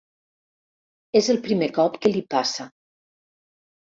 És el primer cop que li passa.